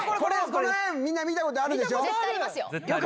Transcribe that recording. この絵、みんな見たことあるでしょ？